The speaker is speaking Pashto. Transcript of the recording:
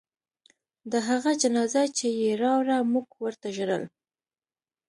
د هغه جنازه چې يې راوړه موږ ورته ژړل.